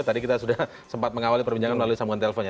tadi kita sudah sempat mengawali perbincangan melalui sambungan teleponnya